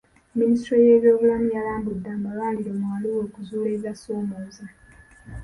Munisitule y'ebyobulamu yalambudde amalwaluro mu Arua okuzuula ebigasoomooza.